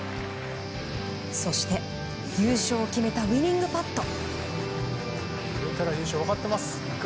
そして、優勝を決めたウィニングパット。